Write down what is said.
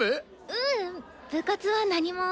ううん部活は何も。